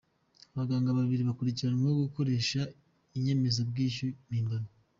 Abaganga Babiri bakurikiranweho gukoresha inyemezabwishyu mpimbano